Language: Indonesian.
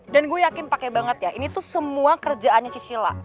dan gua yakin pake banget ya ini tuh semua kerjaannya si sila